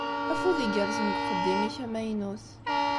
Afud igerrzen deg uxeddim-ik amaynut.